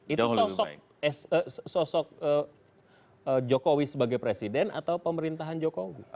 itu sosok jokowi sebagai presiden atau pemerintahan jokowi